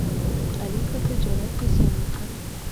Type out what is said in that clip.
علي په تجارت کې زیان وکړ.